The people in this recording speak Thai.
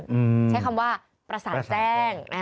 ใช้คำว่าประสานแจ้ง